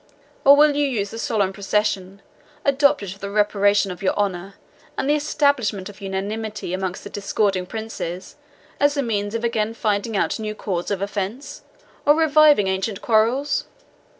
Or will you use the solemn procession, adopted for the reparation of your honour and establishment of unanimity amongst the discording princes, as the means of again finding out new cause of offence, or reviving ancient quarrels?